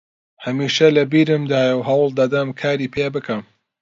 هەمیشە لە بیرمدایە و هەوڵ دەدەم کاری پێ بکەم